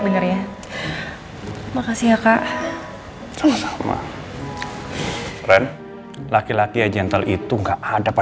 ini adiknya kakak gitu dong